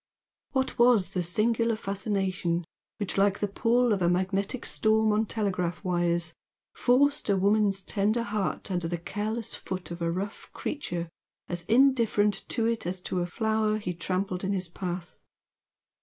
What was the singular fascination which like the "pull" of a magnetic storm on telegraph wires, forced a woman's tender heart under the careless foot of a rough creature as indifferent to it as to a flower he trampled in his path?